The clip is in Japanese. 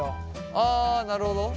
あなるほど。